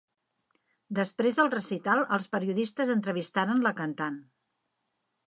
Després del recital els periodistes entrevistaren la cantant.